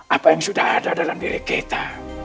apa yang sudah ada dalam diri kita